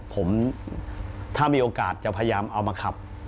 ผมถ้ามีโอกาสจะพยายามเอามาขับ